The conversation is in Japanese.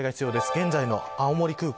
現在の青森空港。